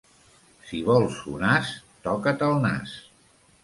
Si vols un as, toca't el nas.